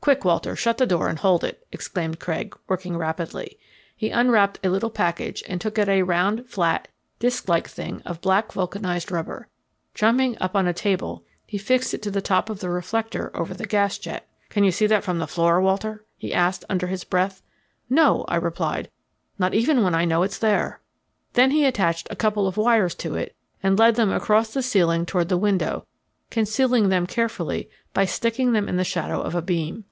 "Quick, Walter, shut the door and hold it," exclaimed Craig, working rapidly. He unwrapped a little package and took out a round, flat disk like thing of black vulcanized rubber. Jumping up on a table, he fixed it to the top of the reflector over the gas jet. "Can you see that from the floor, Walter?" he asked, under his breath. "No," I replied, "not even when I know it is there." Then he attached a couple of wires to it and led them across the ceiling toward the window, concealing them carefully by sticking them in the shadow of a beam.